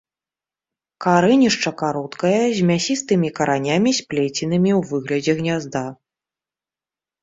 Карэнішча кароткае, з мясістымі каранямі, сплеценымі ў выглядзе гнязда.